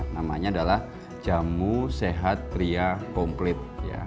namanya adalah jamu sehat pria komplet